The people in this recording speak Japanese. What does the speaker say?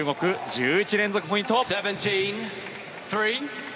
１１連続ポイント！